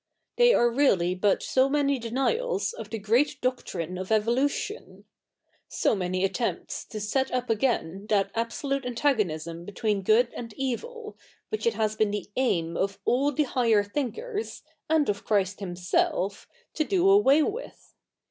They are really but so 7na?iy de?tials of t/ie g?'eat doctrine of evolutioji — so many atteinpts to set up again that absolute antago?iism between good and evil which it has been the ai7?i of all the higher thinkers, and of Christ himself to do away with.